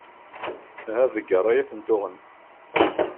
Ahat deg rray i ten-uɣen.